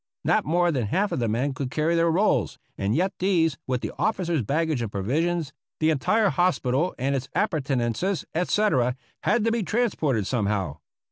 Not more than half of the men could carry their rolls, and yet these, with the officers' bag gage and provisions, the entire hospital and its appurte nances, etc. , had to be transported somehow.